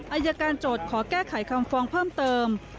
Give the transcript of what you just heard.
อายการโจทย์ขอแก้ไขคำฟ้องเพิ่มเติม